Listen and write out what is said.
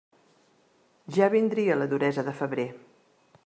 Ja vindria la duresa de febrer.